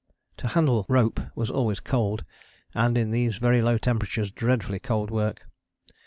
To handle rope was always cold and in these very low temperatures dreadfully cold work.